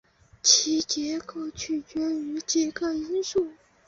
其结构取决于几个因素。